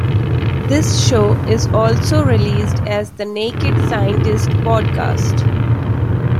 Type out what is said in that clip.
This show is also released as the Naked Scientists Podcast.